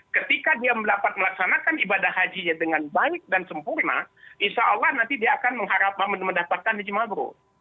ketika dia dapat melaksanakan ibadah hajinya dengan baik dan sempurna insya allah nanti dia akan mengharapkan mendapatkan izin magh